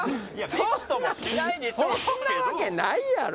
そんなわけないやろ！